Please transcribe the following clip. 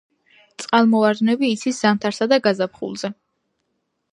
წყალმოვარდნები იცის ზამთარსა და გაზაფხულზე.